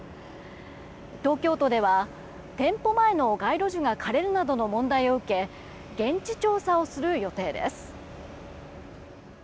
東京都では店舗前の街路樹が枯れるなどの問題を受け現地調査をする予定です。